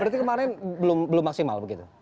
berarti kemarin belum maksimal begitu